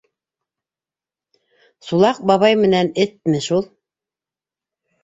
«Сулаҡ бабай менән эт»ме шул.